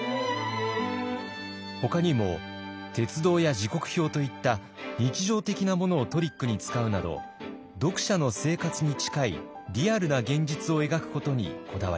ほかにも鉄道や時刻表といった日常的なものをトリックに使うなど読者の生活に近いリアルな現実を描くことにこだわりました。